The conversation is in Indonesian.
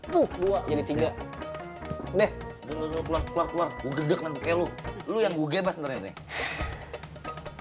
tuh jadi tiga deh keluar keluar gue gedek nanti pake lu lu yang gue gebas ntar yaudah